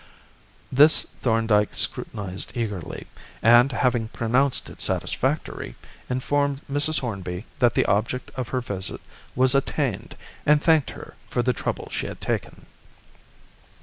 This Thorndyke scrutinised eagerly, and having pronounced it satisfactory, informed Mrs. Hornby that the object of her visit was attained, and thanked her for the trouble she had taken.